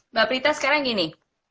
mbak prita sekarang gini